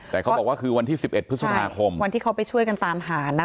แต่เขาบอกว่าคือวันที่๑๑พฤษภาคมวันที่เขาไปช่วยกันตามหานะคะ